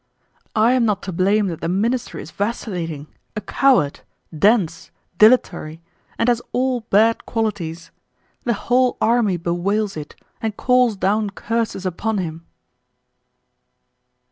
I am not to blame that the Minister is vacillating, a coward, dense, dilatory, and has all bad qualities. The whole army bewails it and calls down curses upon him....